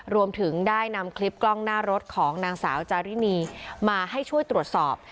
รวมถึงได้นำคลิปกล้องหน้ารถของนางสาวจารินีมาให้ช่วยตรวจสอบ